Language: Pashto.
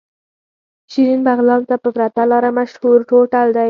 شيرين بغلان ته په پرته لاره مشهور هوټل دی.